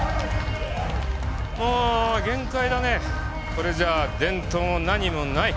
これじゃあ伝統も何もない。